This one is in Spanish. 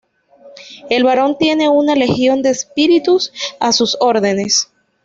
El Barón tiene una legión de espíritus a sus órdenes.